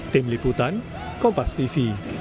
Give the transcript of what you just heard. tim liputan kompas tv